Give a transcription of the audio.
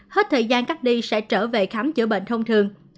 hết thời gian cắt đi sẽ trở về khám chữa bệnh thông thường